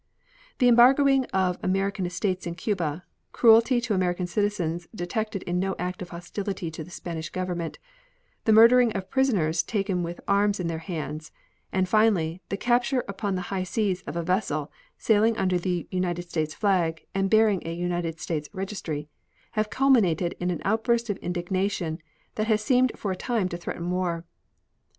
The embargoing of American estates in Cuba, cruelty to American citizens detected in no act of hostility to the Spanish Government, the murdering of prisoners taken with arms in their hands, and, finally, the capture upon the high seas of a vessel sailing under the United States flag and bearing a United States registry have culminated in an outburst of indignation that has seemed for a time to threaten war.